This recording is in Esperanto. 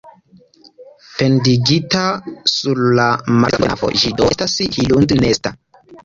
Pendigita sur la maldekstra flanko de la navo, ĝi do estas hirundnesta.